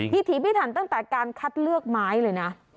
ถีพิถันตั้งแต่การคัดเลือกไม้เลยนะ